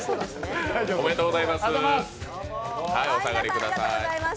おめでとうございます。